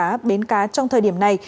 và bến cá trong thời điểm này